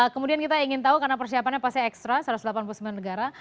kemudian kita ingin tahu karena persiapannya pasti ekstra satu ratus delapan puluh sembilan negara